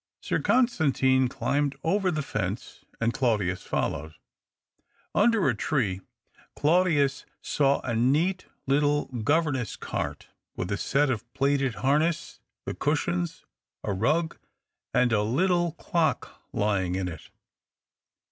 Sir Constantine climbed over the fence, and Claudius followed ; under a tree Claudius saw a neat little governess cart with a set of plated harness, the cushions, a rug, and a little clock, lying in it.